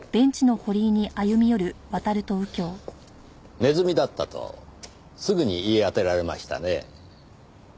ネズミだったとすぐに言い当てられましたね。